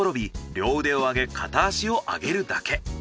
両腕を上げ片足を上げるだけ。